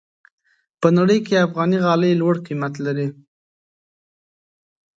په نړۍ کې افغاني غالۍ لوړ قیمت لري.